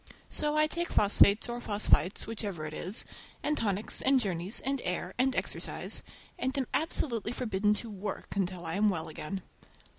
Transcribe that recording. So I take phosphates or phosphites—whichever it is, and tonics, and journeys, and air, and exercise, and am absolutely forbidden to "work" until I am well again.